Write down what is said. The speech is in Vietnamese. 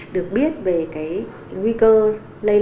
được biết về nguy cơ lây lạc